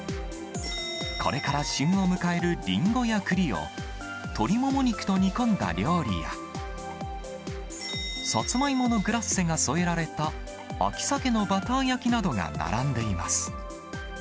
これから旬を迎えるリンゴやクリを、鶏もも肉と煮込んだ料理や、サツマイモのグラッセが添えられた、秋鮭のバター焼きなどが並んでいます。